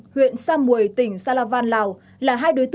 huyện sa mùi tỉnh sa lạp văn lào